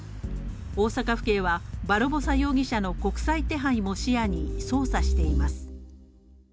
大阪府警は、バルボサ容疑者の国際手配も視野に捜査しています。